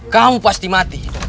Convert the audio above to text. kamu pasti mati